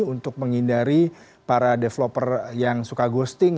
untuk menghindari para developer yang suka ghosting